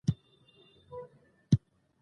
د بهر وتلو اجازه هم نه درلوده.